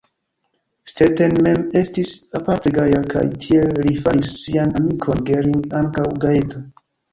Stetten mem estis aparte gaja kaj tiel li faris sian amikon Gering ankaŭ gajeta.